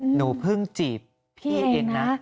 หนูเพิ่งจีบพี่เองนะ